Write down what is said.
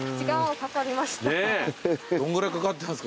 どんぐらいかかったんですか？